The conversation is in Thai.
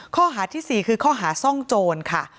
ข้อหาที่๔คือข้อหาซ่องโจรค่ะ